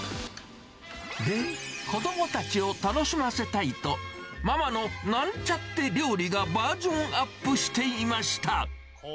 で、子どもたちを楽しませたいと、ママのなんちゃって料理がバージョンアップしていました。